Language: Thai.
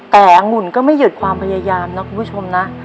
แต่อังุ่นก็ไม่หยุดความพยายามนะคุณผู้ชมนะ